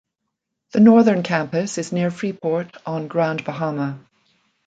The Northern Campus is near Freeport on Grand Bahama.